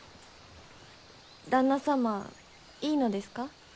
旦那様いいのですか？